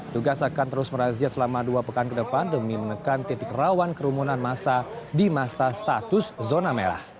tugas akan terus merazia selama dua pekan ke depan demi menekan titik rawan kerumunan masa di masa status zona merah